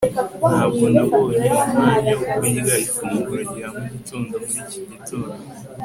ntabwo nabonye umwanya wo kurya ifunguro rya mugitondo muri iki gitondo